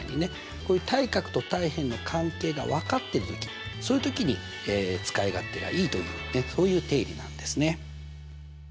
こういう対角と対辺の関係が分かってる時そういう時に使い勝手がいいというそういう定理なんですね。